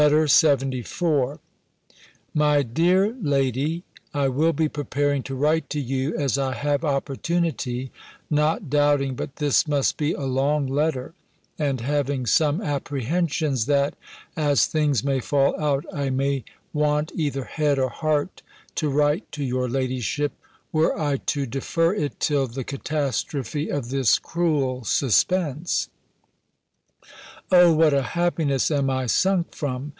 LETTER LXXIV My dear Lady, I will be preparing to write to you, as I have opportunity, not doubting but this must be a long letter; and having some apprehensions, that, as things may fall out, I may want either head or heart to write to your ladyship, were I to defer it till the catastrophe of this cruel suspense. O what a happiness am I sunk from!